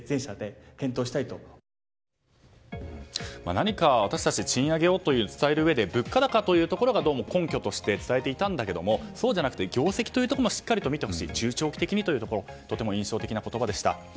何か、私たち賃上げをと伝える中で物価高というところがどうも根拠として伝えていたんだけれどもそうじゃなくて業績もしっかり見てほしい中長期的にというところがとても印象的な言葉でした。